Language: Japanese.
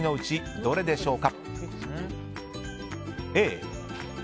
どれでしょうか。